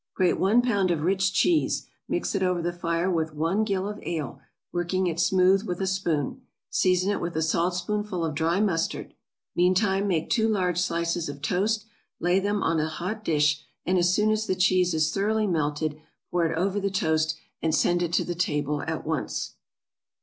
= Grate one pound of rich cheese, mix it over the fire with one gill of ale, working it smooth with a spoon; season it with a saltspoonful of dry mustard; meantime make two large slices of toast, lay them on a hot dish, and as soon as the cheese is thoroughly melted, pour it over the toast and send it to the table at once.